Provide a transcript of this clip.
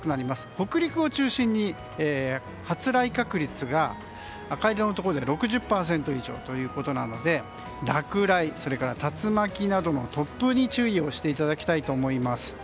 北陸を中心に発雷確率が赤色のところで６０％以上ということなので落雷、それから竜巻などの突風に注意をしていただきたいと思います。